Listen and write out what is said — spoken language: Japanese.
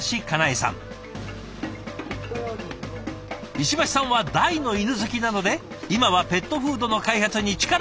石橋さんは大の犬好きなので今はペットフードの開発に力を入れているんだとか。